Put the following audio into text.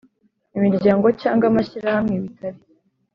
imiryango cyangwa amashyirahamwe bitari